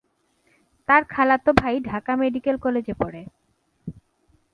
তার খালাতো ভাই ঢাকা মেডিকেল কলেজে পড়ে।